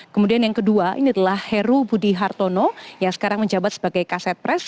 kemudian yang kedua ini adalah heru budi hartono yang sekarang menjabat sebagai kaset pres